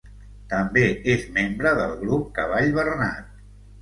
També és membre del Grup Cavall Bernat.